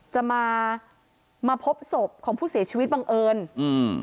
จะมามาพบศพของผู้เสียชีวิตบังเอิญอืม